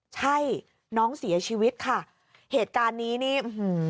ใช่น้องเสียชีวิตค่ะเหตุการณ์นี้เนี่ย